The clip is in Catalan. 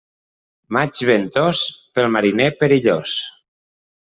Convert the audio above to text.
Maig ventós, pel mariner perillós.